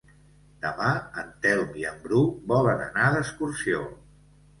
Demà en Telm i en Bru volen anar d'excursió.